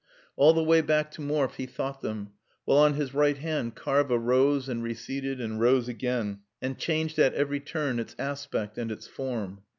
All the way back to Morfe he thought them, while on his right hand Karva rose and receded and rose again, and changed at every turn its aspect and its form.